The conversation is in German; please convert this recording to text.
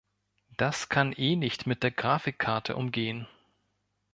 Das kann eh nicht mit der Grafikkarte umgehen.